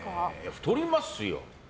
太りますよ。